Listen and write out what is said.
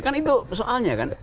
kan itu soalnya kan